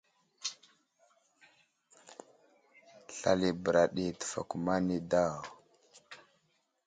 Slal i bəra ɗi təfakuma nay daw.